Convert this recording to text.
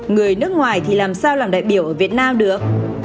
người nước ngoài thì làm sao làm đại biểu ở việt nam được